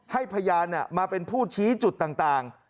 พยานมาเป็นผู้ชี้จุดต่าง